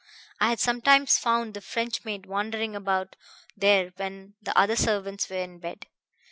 I had sometimes found the French maid wandering about there when the other servants were in bed.